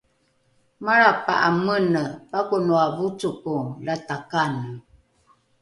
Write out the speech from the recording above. malrapa’a mene pakonoa vocoko lata kane